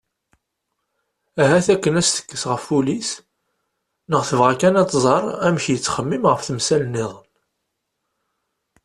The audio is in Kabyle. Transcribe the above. Ahat akken ad as-tekkes ɣef wul-is neɣ tebɣa kan ad tẓer amek yettxemmim ɣef temsal-nniḍen.